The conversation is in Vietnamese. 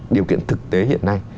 điều kiện thực tế hiện nay